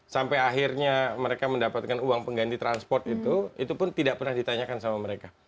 sampai akhirnya mereka mendapatkan uang pengganti transport itu itu pun tidak pernah ditanyakan sama mereka